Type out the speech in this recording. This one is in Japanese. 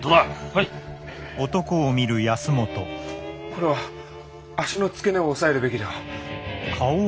これは脚の付け根を押さえるべきでは？